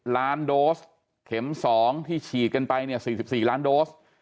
ล้านโดสเข็มสองที่ฉีดกันไปเนี่ยสี่สิบสี่ล้านโดส